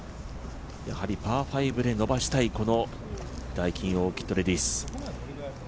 パー５で伸ばしたいこのダイキンオーキッドレディス。